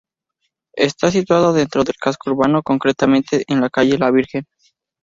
Está situada dentro del casco urbano, concretamente en la calle La Virgen.